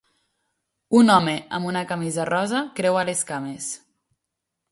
Un home amb una camisa rosa creua les cames.